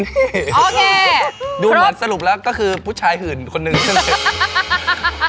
โอเคดูเหมือนสรุปแล้วก็คือผู้ชายหื่นคนนึงใช่ไหม